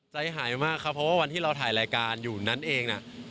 ใจหายมากครับเพราะว่าวันที่เราถ่ายรายการอยู่นั้นเองน่ะ